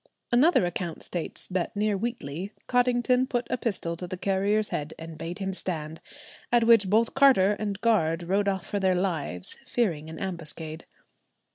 Another account states that near Wheatley, Cottington put a pistol to the carrier's head and bade him stand, at which both carter and guard rode off for their lives, fearing an ambuscade.